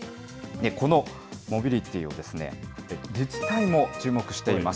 このモビリティを自治体も注目しています。